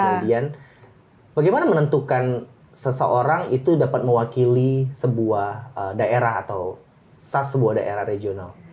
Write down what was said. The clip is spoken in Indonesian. kemudian bagaimana menentukan seseorang itu dapat mewakili sebuah daerah atau sas sebuah daerah regional